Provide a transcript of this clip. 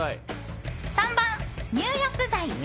３番、入浴剤。